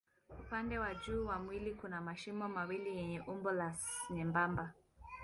Upande wa juu wa mwili kuna mashimo mawili yenye umbo la S nyembamba.